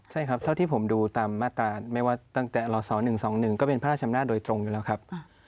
ใช่ครับเท่าที่ผมดูตามมาตราไม่ว่าตั้งแต่อศ๑๒๑ก็เป็นพระราชอำนาจโดยตรงอยู่แล้วครับ